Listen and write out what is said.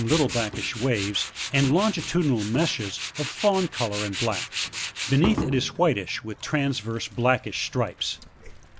little blackish waves, and longitudinal meshes of fawn colour and black ; beneath it is whitish with transverse blackish stripes.